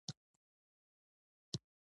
اوس دغه کوټې ځکه ړنګې پرتې دي.